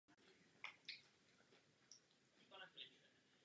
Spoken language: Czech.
Ze Swamp Thing se již nikdy nemohl stát znovu člověk.